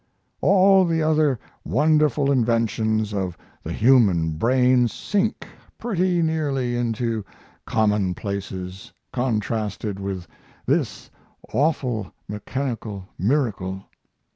All the other wonderful inventions of the human brain sink pretty nearly into commonplaces contrasted with this awful mechanical miracle.